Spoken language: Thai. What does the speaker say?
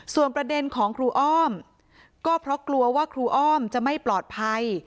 ส่วนประเด็นของครูอ้อมก็เพราะกลัวว่าครูอ้อมจะไม่ปลอดภัย